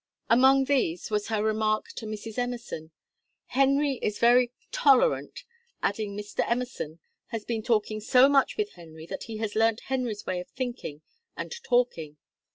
Among these was her remark to Mrs. Emerson, 'Henry is very tolerant'; adding 'Mr. Emerson has been talking so much with Henry that he has learnt Henry's way of thinking and talking.'